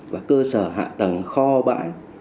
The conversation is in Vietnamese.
và cơ sở hạ tầng kho bãi